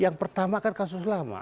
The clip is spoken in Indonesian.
yang pertama kan kasus lama